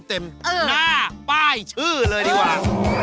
หน้าป้ายชื่อเลยดีกว่า